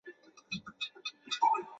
向村里的人借钱